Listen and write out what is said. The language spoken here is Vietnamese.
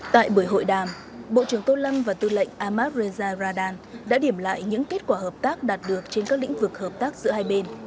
tại buổi hội đàm bộ trưởng tô lâm và tư lệnh ahmad reza radan đã điểm lại những kết quả hợp tác đạt được trên các lĩnh vực hợp tác giữa hai bên